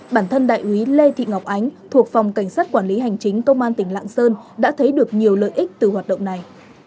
bản thân đại úy lê thị ngọc ánh thuộc phòng cảnh sát quản lý hành chính công an tỉnh lạng sơn đã thấy được nhiều lợi ích từ hoạt động này